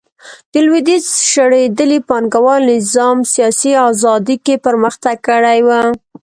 د لوېدیځ شړېدلي پانګوال نظام سیاسي ازادي کې پرمختګ کړی و